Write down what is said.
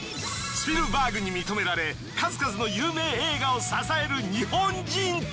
スピルバーグに認められ数々の有名映画を支える日本人って。